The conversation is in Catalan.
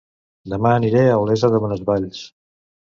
Dema aniré a Olesa de Bonesvalls